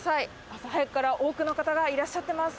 朝早くから多くの方がいらっしゃってます。